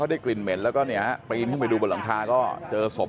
ได้กลิ่นเหม็นแล้วก็เนี่ยปีนขึ้นไปดูบนหลังคาก็เจอศพ